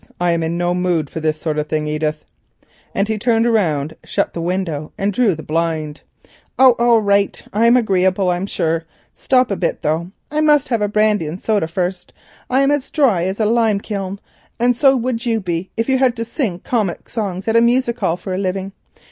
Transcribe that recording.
I am in no mood for this sort of thing, Edith," and he turned round, shut the window, and drew the blind. "Oh, all right; I'm agreeable, I'm sure. Stop a bit, though—I must have a brandy and soda first. I am as dry as a lime kiln, and so would you be if you had to sing comic songs at a music hall for a living.